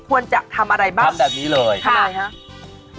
ควรจะทำอะไรบ้างทำแบบนี้เลยทำอะไรคะทำอะไรคะ